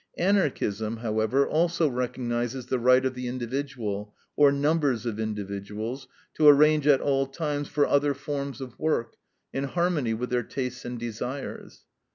Anarchism, however, also recognizes the right of the individual, or numbers of individuals, to arrange at all times for other forms of work, in harmony with their tastes and desires.